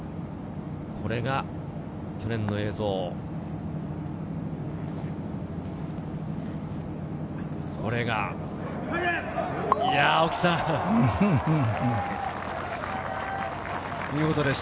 これが去年の映像です。